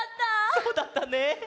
そうだったね。